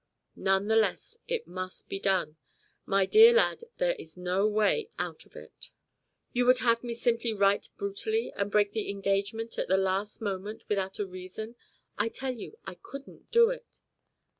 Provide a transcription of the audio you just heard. "None the less it must be done. My dear lad, there is no way out of it." "You would have me simply write brutally and break the engagement at the last moment without a reason. I tell you I couldn't do it."